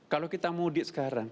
kalau kita mudik sekarang